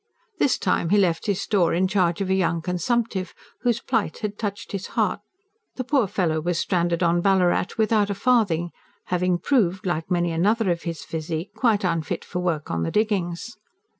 This time he left his store in charge of a young consumptive, whose plight had touched his heart: the poor fellow was stranded on Ballarat without a farthing, having proved, like many another of his physique, quite unfit for work on the diggings.